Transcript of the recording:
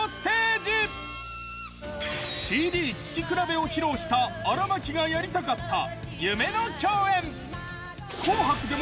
ＣＤ聴き比べを披露した荒牧がやりたかった夢の共演。